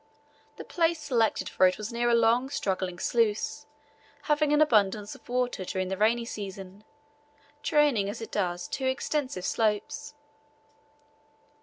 The place selected for it was near a long straggling sluice, having an abundance of water during the rainy season, draining as it does two extensive slopes.